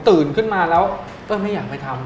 ตื่นขึ้นมาแล้วก็ไม่อยากไปทำ